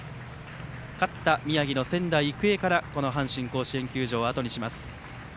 勝った宮城の仙台育英からこの阪神甲子園球場をあとにします。